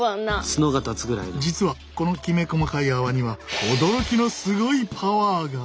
実はこのきめ細かい泡には驚きのすごいパワーが！